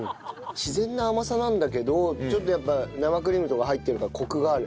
自然な甘さなんだけどちょっとやっぱ生クリームとか入ってるからコクがある。